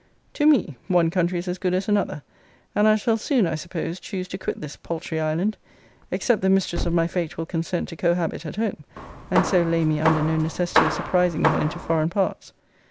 To ME, one country is as good as another; and I shall soon, I suppose, choose to quit this paltry island; except the mistress of my fate will consent to cohabit at home; and so lay me under no necessity of surprising her into foreign parts.